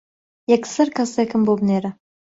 یەکسەر کەسێکم بۆ بنێرە.